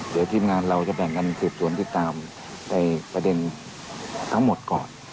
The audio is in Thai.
เดี๋ยวทีมงานเราจะแบ่งกันสืบสวนติดตามในประเด็นทั้งหมดก่อน